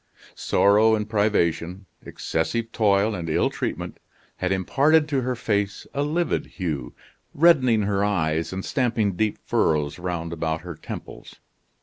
Sorrow and privation, excessive toil and ill treatment, had imparted to her face a livid hue, reddening her eyes and stamping deep furrows round about her temples.